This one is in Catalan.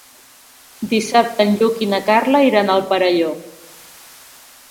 Dissabte en Lluc i na Carla iran al Perelló.